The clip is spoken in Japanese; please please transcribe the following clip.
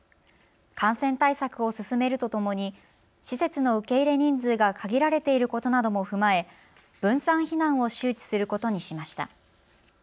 感染対策を進めるとともに施設の受け入れ人数が限られていることなども踏まえ分散避難を周知することにしました。